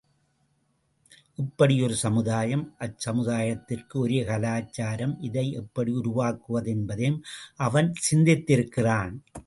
இப்படி ஒரு சமுதாயம், அச்சமுதாயத்திற்கு ஒரே கலாச்சாரம் இதை எப்படி உருவாக்குவது என்பதையும் அவன் சிந்தித்திருக்கிறான்.